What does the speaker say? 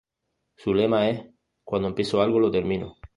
Su lema es, "Cuando empiezo algo lo termino".